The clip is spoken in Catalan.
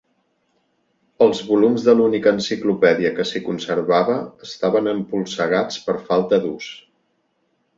Els volums de l'única enciclopèdia que s'hi conservava estaven empolsegats per falta d'ús.